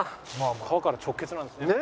川から直結なんですね。